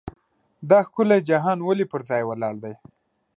دا ښکلی جهان ولې پر ځای ولاړ دی.